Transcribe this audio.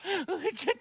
ちょっと。